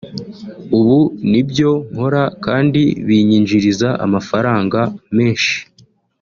ubu nibyo nkora kandi binyinjiriza amafaranga menshi